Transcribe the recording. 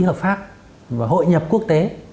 hợp pháp và hội nhập quốc tế